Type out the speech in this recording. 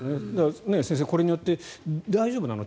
先生、これによって大丈夫なの？